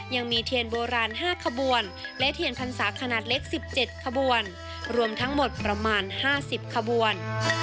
ยังมีเทียนโบราณ๕ขบวนและเทียนพรรษาขนาดเล็ก๑๗ขบวนรวมทั้งหมดประมาณ๕๐ขบวน